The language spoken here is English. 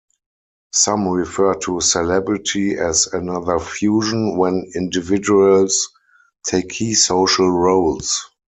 Some refer to celebrity as another fusion, when individuals take key social roles.